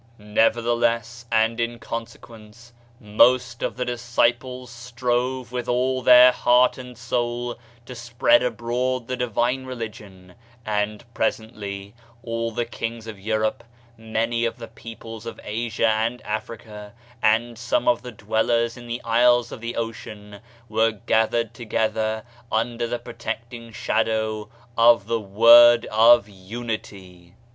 Never theless and in consequence, most of the disciples 94 Digitized by Google OF CIVILIZATION strove with all their heart and soul to spread abroad the divine religion; and presently all the kings of Europe, many of the peoples of Asia and Africa, and some of the dwellers in the Isles of the Ocean were gathered together under the protect ing shadow of the Word of Unity.